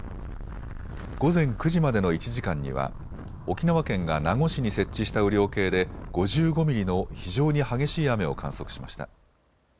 午前９時までの１時間には、沖縄県が名護市に設置した雨量計で５５ミリの非常に激しい雨を観測しました。